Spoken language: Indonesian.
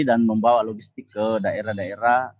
dan membawa logistik ke daerah daerah